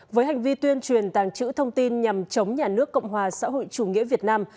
với hành vi tuyên truyền tàng trữ thông tin nhằm chống nhà nước cộng hòa xã hội chủ nghĩa việt nam